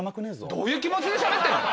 どういう気持ちで喋ってんの？